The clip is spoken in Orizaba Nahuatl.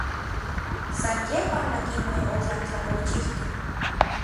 San yejuan akinmej otlajtlakolchijkej.